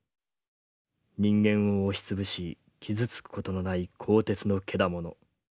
人間を押し潰し傷つく事のない鋼鉄のけだもの。